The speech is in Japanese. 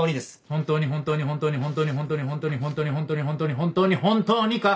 本当に本当に本当に本当に本当に本当に本当に本当に本当に本当に本当にか？